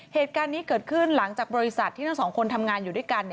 เหตุการณ์นี้เกิดขึ้นหลังจากบริษัทที่ทั้งสองคนทำงานอยู่ด้วยกัน